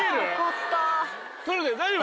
大丈夫？